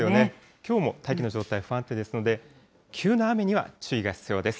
きょうも大気の状態不安定ですので、急な雨には注意が必要です。